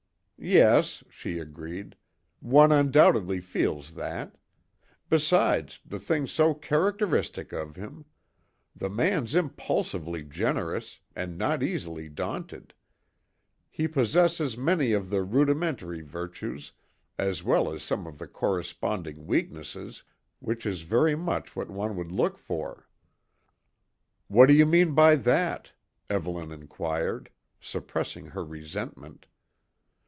"Yes," she agreed; "one undoubtedly feels that. Besides, the thing's so characteristic of him; the man's impulsively generous and not easily daunted. He possesses many of the rudimentary virtues, as well as some of the corresponding weaknesses, which is very much what one would look for." "What do you mean by that?" Evelyn inquired, suppressing her resentment.